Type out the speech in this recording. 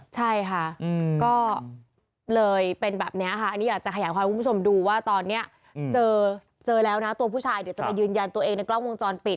ใช่ค่ะก็เลยเป็นแบบนี้ค่ะอันนี้อยากจะขยายความคุณผู้ชมดูว่าตอนนี้เจอแล้วนะตัวผู้ชายเดี๋ยวจะไปยืนยันตัวเองในกล้องวงจรปิด